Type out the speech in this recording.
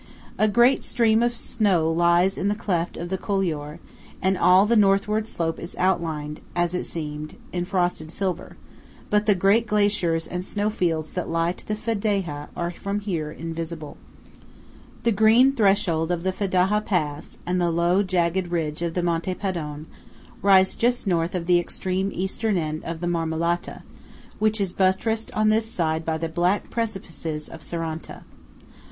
A great stream of snow lies in the cleft of the couloir, and all the northward slope is outlined, as it seems, in frosted silver; but the great glaciers and snow fields that lie to the Fedaja are from here invisible. The green threshold of the Fedaja pass, and the low jagged ridge of Monte Padon, rise just North of the extreme Eastern end of the Marmolata, which is buttressed on this side by the black precipices of Seranta.